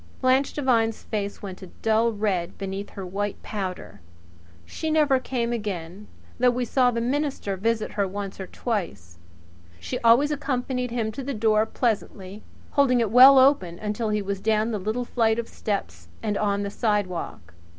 Blanche Devine's face went a dull red beneath her white powder. She never came again though we saw the minister visit her once or twice. She always accompanied him to the door pleasantly, holding it well open until he was down the little flight of steps and on the sidewalk.